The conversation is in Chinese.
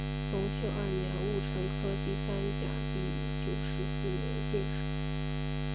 隆庆二年戊辰科第三甲第九十四名进士。